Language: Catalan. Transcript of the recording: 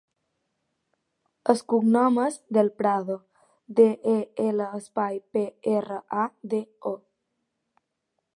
El cognom és Del Prado: de, e, ela, espai, pe, erra, a, de, o.